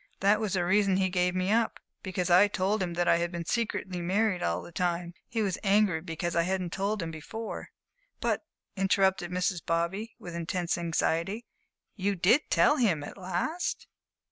That was the reason he gave me up because I told him that I had been secretly married all the time. He was angry because I hadn't told him before." "But," interrupted Mrs. Bobby, with intense anxiety, "you did tell him, at last?"